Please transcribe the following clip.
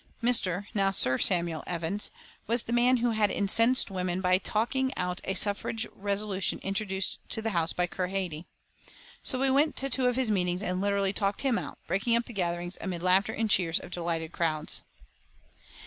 Mr. now Sir Samuel Evans was the man who had incensed women by talking out a suffrage resolution introduced into the House by Keir Hardie. So we went to two of his meetings and literally talked him out, breaking up the gatherings amid the laughter and cheers of delighted crowds.